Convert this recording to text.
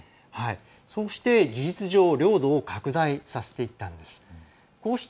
そして、事実上領土を拡大させていきました。